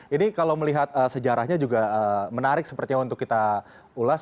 ini kalau melihat sejarahnya juga menarik sepertinya untuk kita ulas